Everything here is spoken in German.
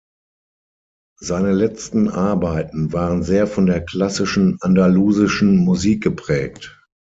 Seine letzten Arbeiten waren sehr von der klassischen andalusischen Musik geprägt.